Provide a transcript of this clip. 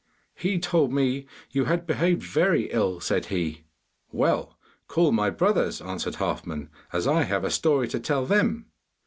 'He told me you had behaved very ill,' said he. 'Well, call my brothers,' answered Halfman, 'as I have a story to tell them.